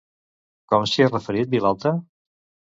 Com s'hi ha referit Vilalta?